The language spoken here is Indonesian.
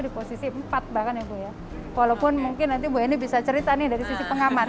di posisi empat bahkan ibu ya walaupun mungkin nanti bu eni bisa cerita nih dari sisi pengamat